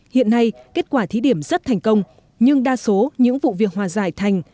hiện nay kết quả thí điểm rất thành công nhưng đa số những vụ việc hòa giải thành